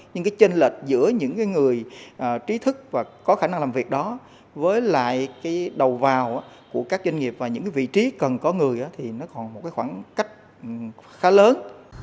nhưng trên lệch giữa những người trí thức và có khả năng làm việc đó với lại đầu vào của các doanh nghiệp và những vị trí cần có người thì nó còn một khoảng cách khá lớn